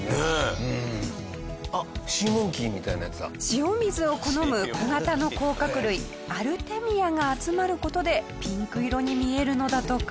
塩水を好む小型の甲殻類アルテミアが集まる事でピンク色に見えるのだとか。